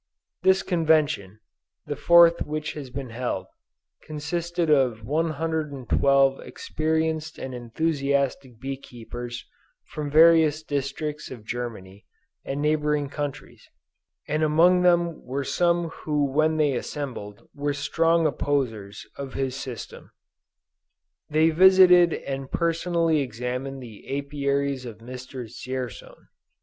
This Convention, the fourth which has been held, consisted of 112 experienced and enthusiastic bee keepers from various districts of Germany and neighboring countries, and among them were some who when they assembled were strong opposers of his system. They visited and personally examined the Apiaries of Mr. Dzierzon.